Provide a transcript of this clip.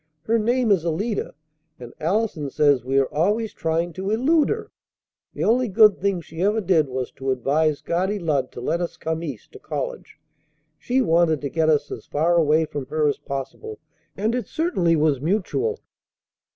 Her name is Alida, and Allison says we're always trying to 'elude' her. The only good thing she ever did was to advise Guardy Lud to let us come East to college. She wanted to get us as far away from her as possible. And it certainly was mutual."